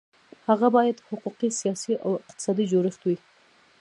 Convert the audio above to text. هغه باید حقوقي، سیاسي او اقتصادي جوړښت وي.